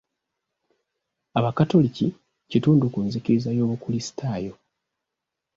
Abakatoliki kitundu ku nzikiriza y'obukrisitaayo.